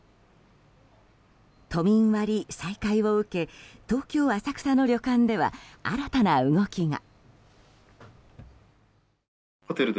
都民割再開を受け東京・浅草の旅館では新たな動きが。